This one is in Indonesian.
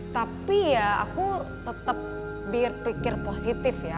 tapi ya aku tetap berpikir positif ya